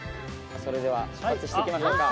それでは出発していきましょうか。